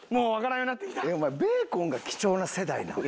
えっお前ベーコンが貴重な世代なん？